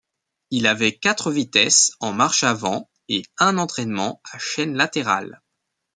Il avait quatre vitesses en marche avant et un entraînement à chaîne latéral.